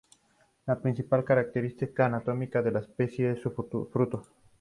La principal característica anatómica de la especie es su fruto.